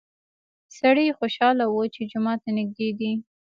سړی خوشحاله و چې جومات ته نږدې دی.